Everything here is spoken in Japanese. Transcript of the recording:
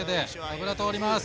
油通ります！